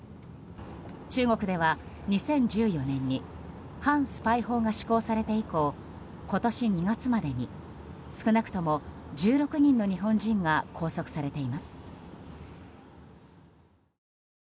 中国では２０１４年に反スパイ法が施行されて以降今年２月までに少なくとも１６人の日本人が拘束されています。